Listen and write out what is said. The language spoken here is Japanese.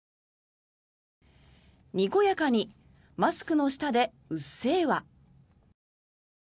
「にこやかにマスクの下で“うっせぇわ！”」。